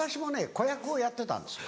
子役をやってたんですよ。